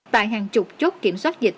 tại hàng chục chốt kiểm soát dịch